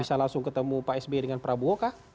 bisa langsung ketemu pak sby dengan prabowo kah